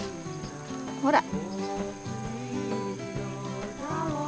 ほら！